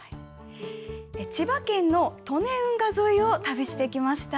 千葉県の利根運河沿いを旅してきました。